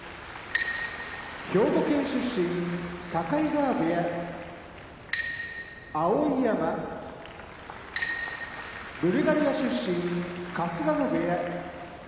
兵庫県出身境川部屋碧山ブルガリア出身春日野部屋